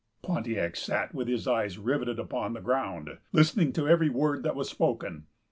Pontiac sat with his eyes riveted upon the ground, listening to every word that was spoken.